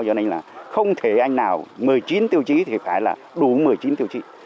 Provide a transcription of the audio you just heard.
cho nên là không thể anh nào một mươi chín tiêu chí thì phải là đủ một mươi chín tiêu chí